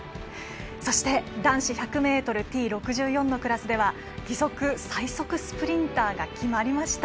そして男子１００ｍＴ６４のクラスでは義足最速スプリンターが決まりました。